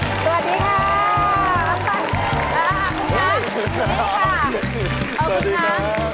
สวัสดีครับสวัสดีครับสวัสดีครับสวัสดีครับสวัสดีครับ